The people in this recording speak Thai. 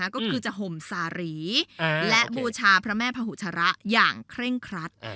ก็คือจะห่มสารีและบูชาพระแม่พุชระอย่างเคร่งครัด